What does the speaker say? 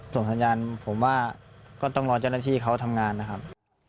สัญญาณผมว่าก็ต้องรอเจ้าหน้าที่เขาทำงานนะครับ